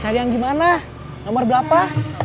cari yang gimana nomor berapa